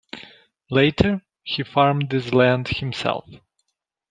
Later, he farmed this land himself.